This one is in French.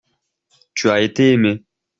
Tu as été aimé.